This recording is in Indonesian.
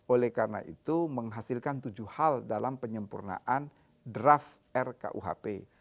oleh karena itu menghasilkan tujuh hal dalam penyempurnaan draft rkuhp